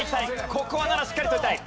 ここは７しっかり取りたい。